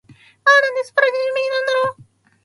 ああ、なんて素晴らしい響きなんだろう。